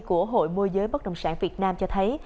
của hội mua giới bất đồng sản việt nam cho thấy